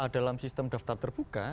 dalam sistem daftar terbuka